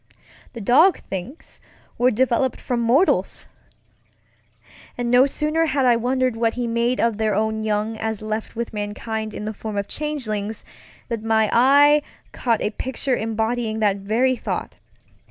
The dog things were developed from mortals! And no sooner had I wondered what he made of their own young as left with mankind in the form of changelings, than my eye caught a picture embodying that very thought.